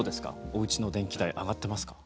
おうちの電気代上がってますか？